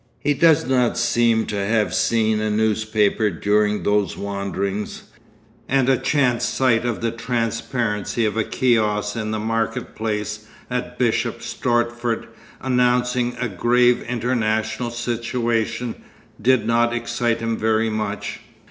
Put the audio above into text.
He does not seem to have seen a newspaper during those wanderings, and a chance sight of the transparency of a kiosk in the market place at Bishop's Stortford announcing a 'Grave International Situation' did not excite him very much.